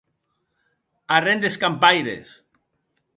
Arren d’escampaires!